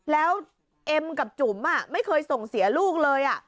แล้วเอ็มกับจุ๋มไม่เคยส่งเสียลูกเลย